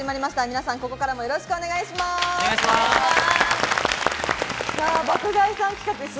皆さん、ここからもよろしくお願いします。